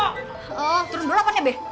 oh turun biro apaan ya be